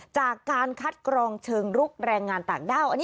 จากการคัดกรองเชิงลุกแรงงานต่างด้าว